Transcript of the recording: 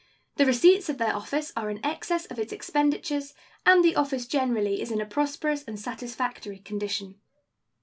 The receipts of the office are in excess of its expenditures, and the office generally is in a prosperous and satisfactory condition.